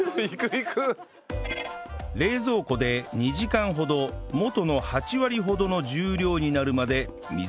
冷蔵庫で２時間ほど元の８割ほどの重量になるまで水気を切ったら